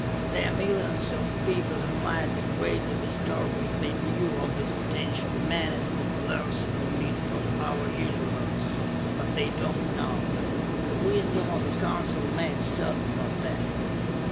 There are millions of people who might be greatly disturbed if they knew of this potential menace that lurks in the midst of our Universe, but they do not know. The wisdom of the Council made certain of that.